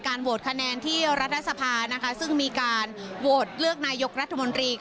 โหวตคะแนนที่รัฐสภาซึ่งมีการโหวตเลือกนายกรัฐมนตรี